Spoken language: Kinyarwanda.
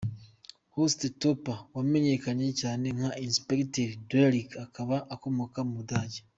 Horst Tappert wamenyekanye cyane nka Inspecteur Derrick akaba akomoka mu Budage.